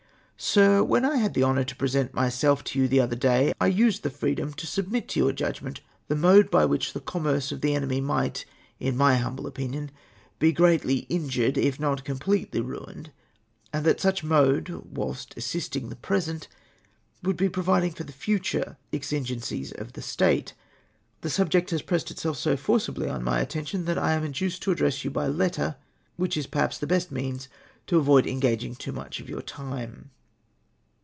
Sib, — When I had the honour to present myself to you t]ie otlier day, I used the freedom to submit to your judg ment the mode by which the commerce of the enemy miglit, in my humble opinion, be greatly injured, if not completely ruined, and that sucli mode, whilst assisting the j)resent, Avould be providing for the future, exigencies of the State. The subject has pressed itself so forcibly on ni}^ attention, tliat I am induced to address you by letter, whicli is perliaps the best means to avoid engaging too much of your time.